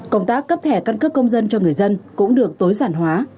công tác cấp thẻ căn cước công dân cho người dân cũng được tối giản hóa